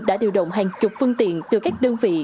đã điều động hàng chục phương tiện từ các đơn vị